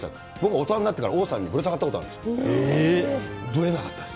大人になってから、王さんにぶら下がったことあるんです。